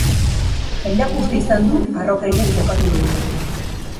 Jendeak uste izan du harrokeriaz jokatu dugula.